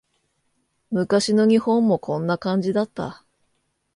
昔の日本もこんな感じだった